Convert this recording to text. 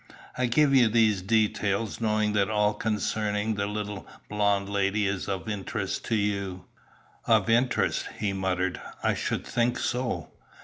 I give you these details knowing that all concerning the little blonde lady is of interest to you." "Of interest!" he muttered "I should think so!